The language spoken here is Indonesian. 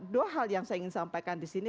dua hal yang saya ingin sampaikan disini